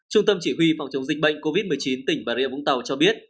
trung tâm chỉ huy phòng chống dịch bệnh covid một mươi chín tỉnh bà rịa vũng tàu cho biết